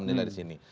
menilai dari sini